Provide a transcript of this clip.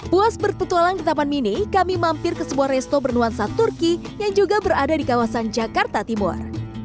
puas berpetualang di tapan mini kami mampir ke sebuah resto bernuansa turki yang juga berada di kawasan jakarta timur